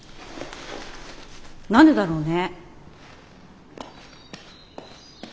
何でだろうね。